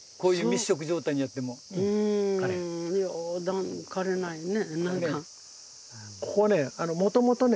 うん枯れないね。